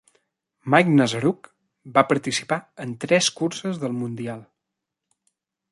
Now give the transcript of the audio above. Mike Nazaruk va participar en tres curses del mundial.